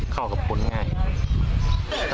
เต็มที่มด